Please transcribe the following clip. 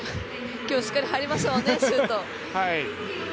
今日、しっかり入りましたもんね、シュート。